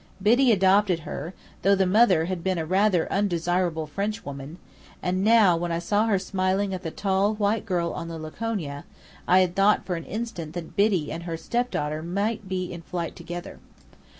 Biddy adopted her, though the mother had been a rather undesirable Frenchwoman; and now when I saw her smiling at the tall white girl on the Laconia, I had thought for an instant that Biddy and her stepdaughter might be in flight together.